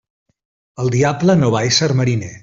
El diable no va esser mariner.